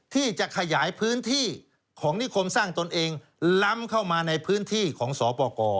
ที่จะขยายพื้นที่ของนิคมสร้างตนเองล้ำเข้ามาในพื้นที่ของสปกร